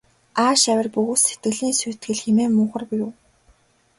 Ааш авир бөгөөс сэтгэлийн сүйтгэл хэмээн мунхар юу.